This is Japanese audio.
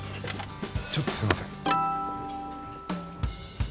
ちょっとすいません。